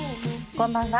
こんばんは。